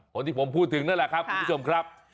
คนที่ผมพูดถึงนั่นแหละครับคุณผู้ชมครับ